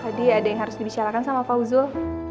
tadi ada yang harus dibicarakan sama fauzul